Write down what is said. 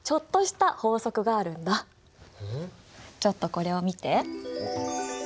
ちょっとこれを見て。